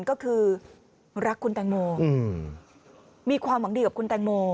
ก็คือรักคุณแตงโมมีความหวังดีกับคุณแตงโม